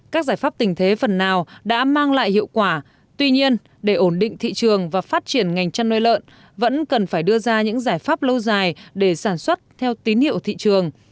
các giải pháp tình thế phần nào đã mang lại hiệu quả tuy nhiên để ổn định thị trường và phát triển ngành chăn nuôi lợn vẫn cần phải đưa ra những giải pháp lâu dài để sản xuất theo tín hiệu thị trường